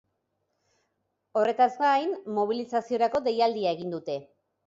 Horretaz gain, mobilizaziorako deialdia egin dute.